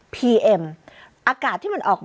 พีเอ็ม